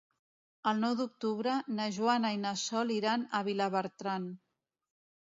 El nou d'octubre na Joana i na Sol iran a Vilabertran.